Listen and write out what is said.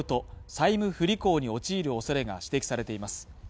債務不履行に陥る恐れが指摘されています。